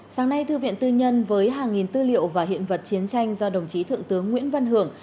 sáng nay thư viện tư nhân với hàng nghìn tư liệu và hiện vật chiến tranh do đồng chí thượng tướng nguyễn văn hưởng